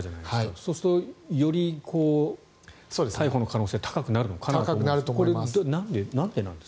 そうするとより逮捕の可能性が高くなります。